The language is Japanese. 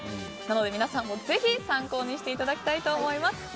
皆さんも、ぜひ参考にしていただきたいと思います。